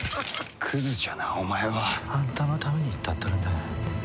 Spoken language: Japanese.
クズじゃなお前は。あんたのために言ったっとるんだがや。